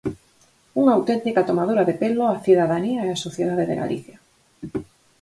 ¡Unha auténtica tomadura de pelo á cidadanía e á sociedade de Galicia!